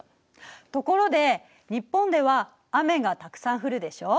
ところで日本では雨がたくさん降るでしょ。